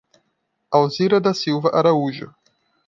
Alzira da Silva Araújo